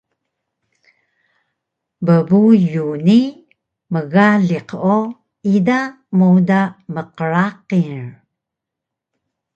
bbuyu ni mgaliq o ida mowda mqraqil